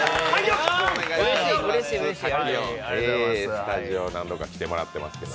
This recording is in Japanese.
スタジオ、何度か来てもらってますけど。